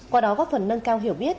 qua đó góp phần nâng cao hiểu biết